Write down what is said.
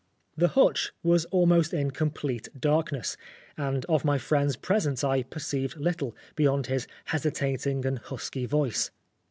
The hutch was almost in complete dark ness, and of my friend's presence I perceived little beyond his hesitating and husky voice.